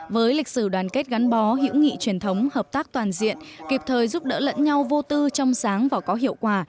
với lịch sử đoàn kết gắn bó hữu nghị truyền thống hợp tác toàn diện kịp thời giúp đỡ lẫn nhau vô tư trong sáng và có hiệu quả